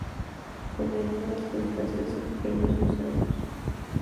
Come algas, crustáceos pequeños y gusanos.